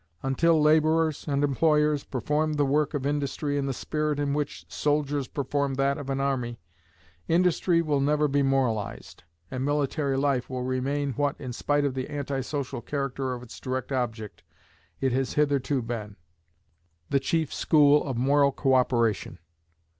Until labourers and employers perform the work of industry in the spirit in which soldiers perform that of an army, industry will never be moralized, and military life will remain, what, in spite of the anti social character of its direct object, it has hitherto been the chief school of moral co operation.